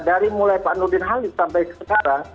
dari mulai pak nudin halil sampai sekarang